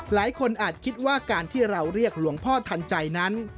อาจคิดว่าการที่เราเรียกหลวงพ่อทันใจนั้น